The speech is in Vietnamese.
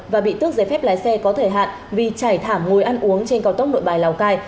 và bị tước giấy phép lái xe có thể hạn vì chảy thả mùi ăn uống trên cao tốc nội bài lào cai